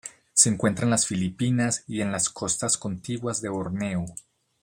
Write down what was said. Se encuentra en las Filipinas y en las costas contiguas de Borneo.